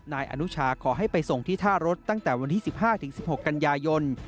นายอนุชาขอให้ไปส่งที่ท่ารถตั้งแต่วันที่๑๕๑๖กันยายน